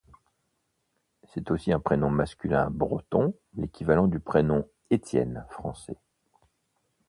C'est aussi un prénom masculin breton, l'équivalent du prénom Étienne français.